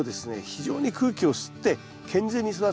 非常に空気を吸って健全に育つ。